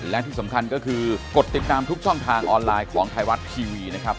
และที่สำคัญก็คือกดติดตามทุกช่องทางออนไลน์ของไทยรัฐทีวีนะครับ